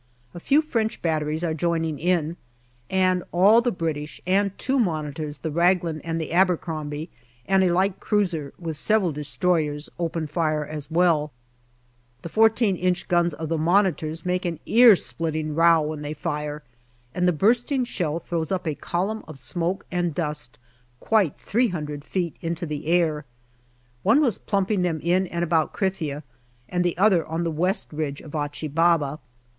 A few French batteries are joining in, and all the British and two Monitors, the Raglan and the Abercrombie,' and a light cruiser, with several destroyers, open fire as well. The 14 inch guns of the Monitors make an ear splitting row when they fire, and the bursting shell throws up a column of smoke and dust quite 300 feet into the air. One was plumping them in and about Krithia, and the other on the west ridge of Achi Baba.